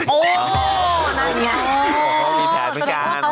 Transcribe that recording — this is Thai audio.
นั่นไง